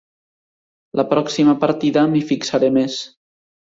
La pròxima partida m'hi fixaré més.